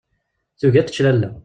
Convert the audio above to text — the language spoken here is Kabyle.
Tugi ad tečč lalla.